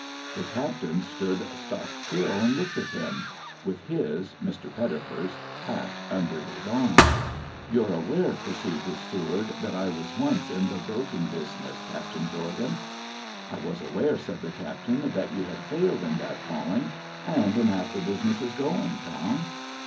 The captain stood stock still and looked at him, — with his (Mr, Pettifer's) hat under his arm. ' You're aware,' pursued his steward, ' that I was once in the broking business, Cajjtain Jorgan?' ' I was aware,' said the captain, * that you had failed in that calling, and in half the businesses going, Tom.'